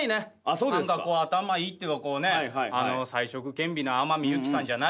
何か頭いいっていうかこうね才色兼備な天海祐希さんじゃないけど。